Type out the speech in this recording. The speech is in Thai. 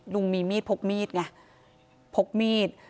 ลุงมีมีดพกมีดไงพกมีด